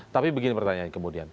tapi begini pertanyaannya kemudian